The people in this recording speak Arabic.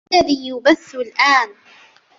ما الذي يُبَثُّ الآن ؟